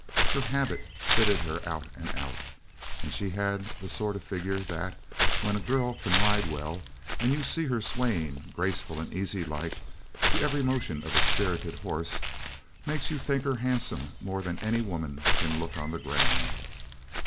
Her habit fitted her out and out, and she had the sort of figure that, when a girl can ride well, and you see her swaying, graceful and easy like, to every motion of a spirited horse, makes you think her handsomer than any woman can look on the ground.